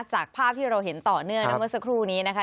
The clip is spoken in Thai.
จากภาพที่เราเห็นต่อเนื่องเมื่อสักครู่นี้นะคะ